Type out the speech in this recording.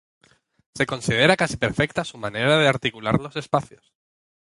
Se considera casi perfecta su manera de articular los espacios.